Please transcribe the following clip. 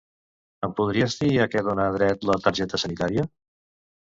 Em podries dir a què dona dret la targeta sanitària?